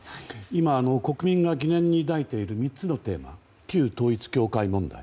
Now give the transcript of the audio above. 今、国民が疑念に抱いている３つのテーマ旧統一教会問題